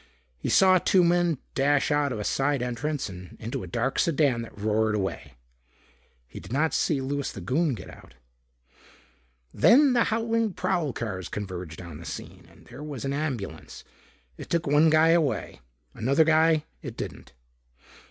He saw two men dash out of a side entrance and into a dark sedan that roared away. He did not see Louis the Goon get out. Then the howling prowl cars converged on the scene. And there was an ambulance. It took one guy away. Another guy, it didn't.